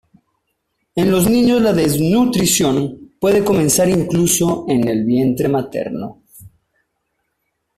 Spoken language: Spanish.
En los niños la desnutrición puede comenzar incluso en el vientre materno.